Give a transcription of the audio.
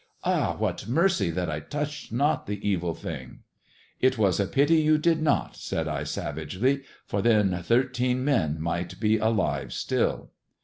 Ah, what mercy that I touched not the evil thing !"" It was a pity you did not," said I savagely, " for then thirteen men might be alive still.''